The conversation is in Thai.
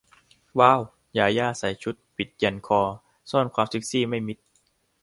ว้าว ญาญ่า ใส่ชุดปิดยันคอ ซ่อนความเซ็กซี่ไม่มิด